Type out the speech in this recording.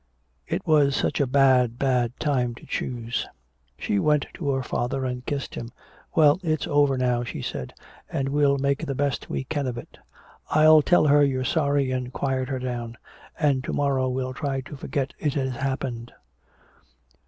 It was such a bad, bad time to choose." She went to her father and kissed him. "Well, it's over now," she said, "and we'll make the best we can of it. I'll tell her you're sorry and quiet her down. And to morrow we'll try to forget it has happened."